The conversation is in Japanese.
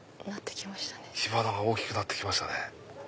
火花が大きくなって来ましたね。